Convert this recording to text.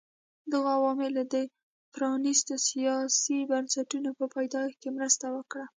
دغو عواملو د پرانیستو سیاسي بنسټونو په پیدایښت کې مرسته وکړه.